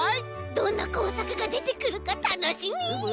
どんなこうさくがでてくるかたのしみ！